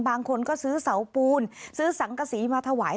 บางคนก็ซื้อเสาปูนซื้อสังกษีมาถวาย